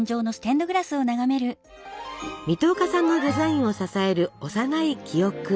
水戸岡さんのデザインを支える幼い記憶。